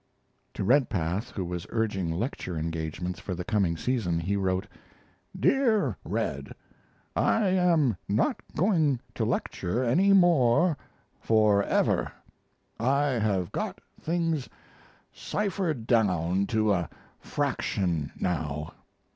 To Redpath, who was urging lecture engagements for the coming season, he wrote: DEAR RED, I am not going to lecture any more forever. I have got things ciphered down to a fraction now.